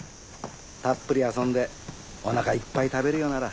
たっぷり遊んでおなかいっぱい食べるようなら。